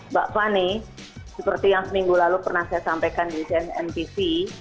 mbak fani seperti yang seminggu lalu pernah saya sampaikan di cnnpp